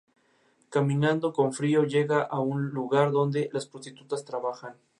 Du escuela sería conocida por ser conservadora y estudiar los maestros Yuan.